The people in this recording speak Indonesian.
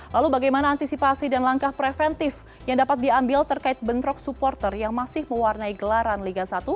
lalu bagaimana antisipasi dan langkah preventif yang dapat diambil terkait bentrok supporter yang masih mewarnai gelaran liga satu